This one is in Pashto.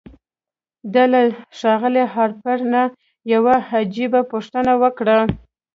ده له ښاغلي هارپر نه يوه عجيبه پوښتنه وکړه.